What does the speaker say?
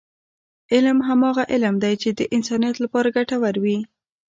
علم هماغه علم دی، چې د انسانیت لپاره ګټور وي.